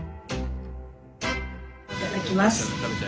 いただきます。